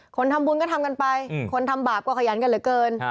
คนทำบุญก็ทำกันไปคนทำบาปก็ขยันกันเหลือเกิน